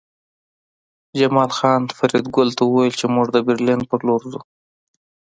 جمال خان فریدګل ته وویل چې موږ د برلین په لور ځو